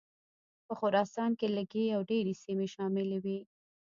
په خراسان کې لږې او ډېرې سیمې شاملي وې.